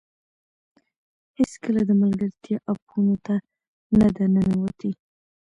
هېڅکله د ملګرتیا اپونو ته نه ده ننوتې